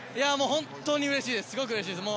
本当にうれしいです。